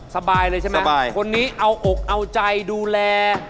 สบายเลยใช่ไหมคนนี้เอาอกเอาใจดูแล